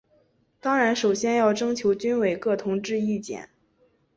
当然首先要征求军委各同志意见。